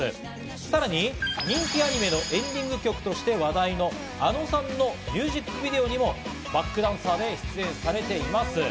さらに人気アニメのエンディング曲として話題のａｎｏさんのミュージックビデオにもバックダンサーで出演されています。